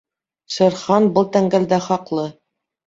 — Шер Хан был тәңгәлдә хаҡлы.